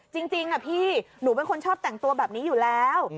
จริงพี่หนูเป็นคนชอบแต่งตัวแบบนี้อยู่แล้ว